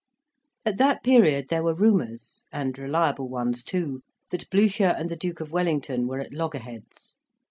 At that period there were rumours and reliable ones, too that Blucher and the Duke of Wellington were at loggerheads.